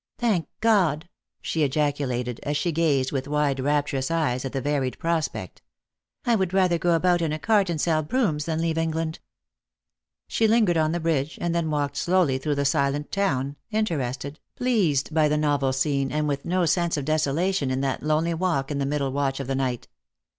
" Thank God," she ejaculated, as she gazed with wide raptu rous eyes at the varied prospect. " I would rather go about in a cart and sell brooms than leave England." She lingered on the bridge, and then walked slowly through the silent town, interested, pleased by the novel scene, and with no sense of desolation in that lonely walk in the middle watch of the night.